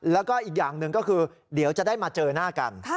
แล้วก็อีกอย่างหนึ่งก็คือเดี๋ยวจะได้มาเจอหน้ากัน